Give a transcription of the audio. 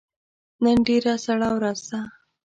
نن ډیره سړه ورځ ده